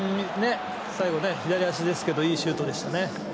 最後、左足ですけどいいシュートでしたね。